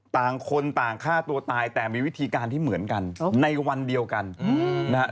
ต่างคนต่างฆ่าตัวตายแต่มีวิธีการที่เหมือนกันในวันเดียวกันนะฮะ